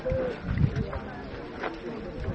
หาที่นั่ง